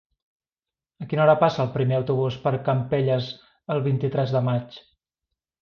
A quina hora passa el primer autobús per Campelles el vint-i-tres de maig?